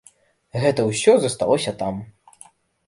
Гэта ўсё засталося там.